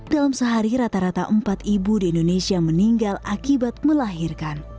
dalam sehari rata rata empat ibu di indonesia meninggal akibat melahirkan